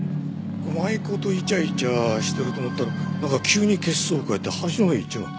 舞妓とイチャイチャしてると思ったらなんか急に血相を変えて橋のほうへ行っちまった。